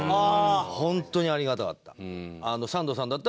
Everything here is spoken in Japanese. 本当にありがたかった。